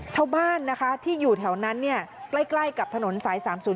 ชาวบ้านนะคะที่อยู่แถวนั้นใกล้กับถนนสาย๓๐